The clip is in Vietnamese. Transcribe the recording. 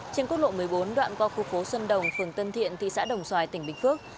trên quốc lộ một mươi bốn đoạn qua khu phố xuân đồng phường tân thiện thị xã đồng xoài tỉnh bình phước